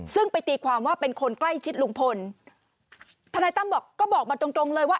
ซึ่งไปตีความว่าเป็นคนใกล้ชิดลุงพลทนายตั้มบอกก็บอกมาตรงตรงเลยว่า